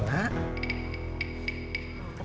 pernah ke mana